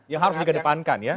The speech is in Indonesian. yang harus digedepankan ya